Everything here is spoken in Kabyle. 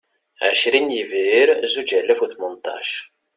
Ɛecrin Yebrir Zuǧ alas u Tmenṭac